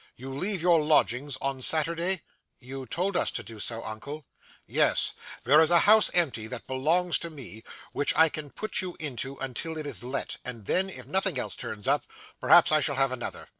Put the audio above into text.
You leave your lodgings on Saturday?' 'You told us to do so, uncle.' 'Yes; there is a house empty that belongs to me, which I can put you into till it is let, and then, if nothing else turns up, perhaps I shall have another.